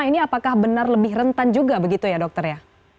ini apakah benar lebih rentan juga begitu ya dokter ya